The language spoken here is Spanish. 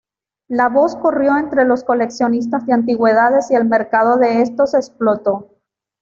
La voz corrió entre los coleccionistas de antigüedades, y el mercado de estos explotó.